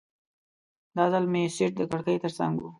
دا ځل مې سیټ د کړکۍ ترڅنګ و.